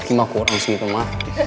toki mak kurang segitu ma